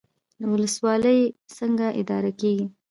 ولسوالۍ څنګه اداره کیږي؟